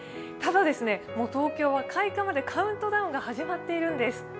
ただ、もう東京は開花までカウントダウンが始まっているんです。